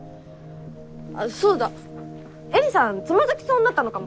あそうだ！絵里さん躓きそうになったのかも。